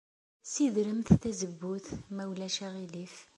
Ssidremt tazewwut, ma ulac aɣilif.